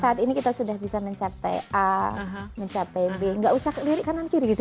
saat ini kita sudah bisa mencapai a mencapai b gak usah kelirikan kanan kiri gitu ya